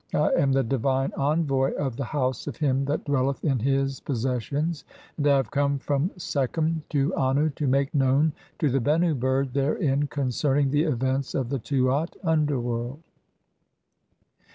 I am the divine envoy (?) of (29) the house of him "that dwelleth in his possessions, and I have come from Sekhem "to Annu to make known to the Bennu bird therein concerning "the events of (3o) the Tuat (underworld).